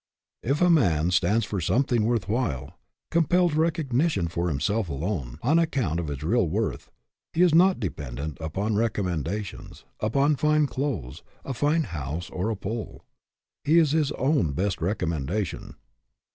If a man stands for something worth while, compels recognition for himself alone, on ac count of his real worth, he is not dependent upon recommendations; upon fine clothes, a fine house, or a pull. He is his own best recommendation.